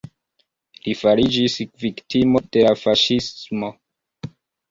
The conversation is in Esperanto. Li fariĝis viktimo de la faŝismo.